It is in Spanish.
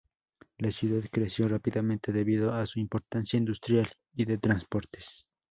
La ciudad creció rápidamente debido a su importancia industrial y de transportes.